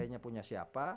ptnya punya siapa